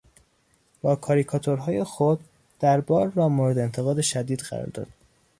با کاریکاتورهای خود دربار را مورد انتقاد شدید قرار داد.